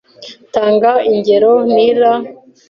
Tanga ingero nira eyiri zigaragaza ko uuringanire